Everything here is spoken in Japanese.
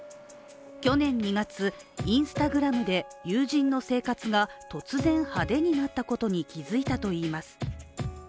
去年２月、Ｉｎｓｔａｇｒａｍで友人の生活が突然、派手になったことに気づいたといいます。